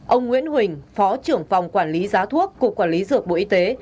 ông nguyễn huỳnh phó trưởng phòng quản lý giá thuốc cục quản lý dược bộ y tế